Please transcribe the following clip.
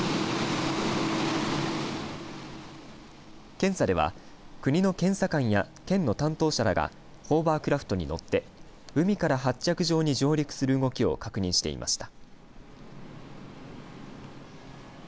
検査では国の検査官や県の担当者らがホーバークラフトに乗って海から発着場に上陸する動きを確認していました。